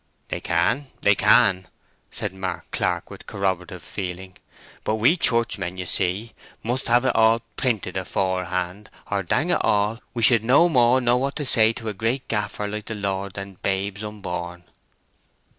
"They can—they can," said Mark Clark, with corroborative feeling; "but we Churchmen, you see, must have it all printed aforehand, or, dang it all, we should no more know what to say to a great gaffer like the Lord than babes unborn."